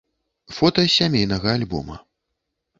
Фота з сямейнага альбома.